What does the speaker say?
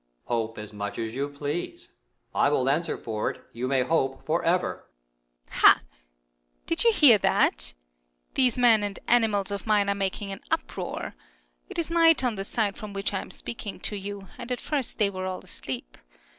Moon. Hope as much as you please. I will answer for it you may hope for ever. Earth. Ha ! Did you hear that ? These men and animals of mine are making an uproar. It is night on the side from which I am speaking to you, and at first they were all asleep.